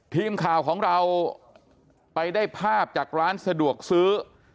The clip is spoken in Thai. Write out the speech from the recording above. ทีมข่าวของเราไปได้ภาพจากร้านสะดวกซื้อ